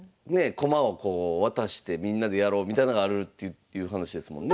駒をこう渡してみんなでやろうみたいのがあるっていう話ですもんね。